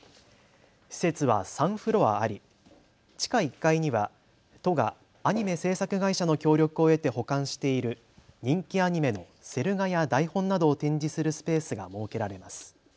施設は３フロアあり地下１階には都がアニメ制作会社の協力を得て保管している人気アニメのセル画や台本などを展示するスペースが設けられます。